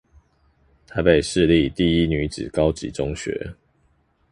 臺北市立第一女子高級中學